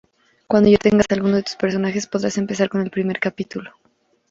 Cuando ya tengas algunos de tus personajes, podrás empezar con el primer capítulo.